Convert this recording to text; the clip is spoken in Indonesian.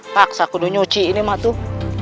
paksa kudu nyuci ini mah tuh